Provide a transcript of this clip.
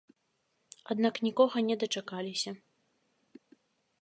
Аднак нікога не дачакаліся.